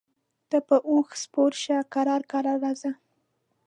ته پر اوښ سپره شه کرار کرار راځه.